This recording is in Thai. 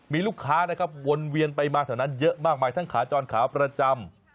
มีลูกค้านะครับวนเวียนไปมาแถวนั้นเยอะมากมายทั้งขาจรขาวประจำ